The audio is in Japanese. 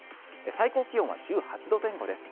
最高気温は１８度前後です。